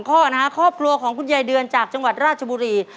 ข้อนะฮะครอบครัวของคุณยายเดือนจากจังหวัดราชบุรี